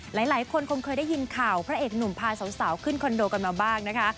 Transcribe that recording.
หลายคนคงเคยได้ยินข่าวพระเอกหนุ่มพาสาวขึ้นคอนโดกันมาบ้างนะคะ